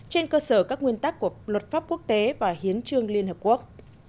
trên cơ sở các nguyên tắc của luật pháp quốc tế và hiến trương liên hợp quốc